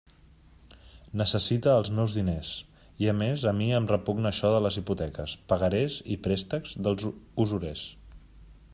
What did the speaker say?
Necessite els meus diners; i a més, a mi em repugna això de les hipoteques, pagarés i préstecs dels usurers.